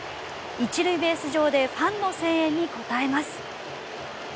１塁ベース上でファンの声援に応えます。